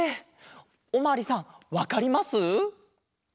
おまわりさんわかります？